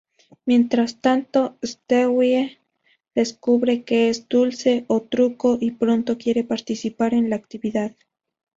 Mientras tanto, Stewie descubre que es dulce-o-truco, y pronto quiere participar en la actividad.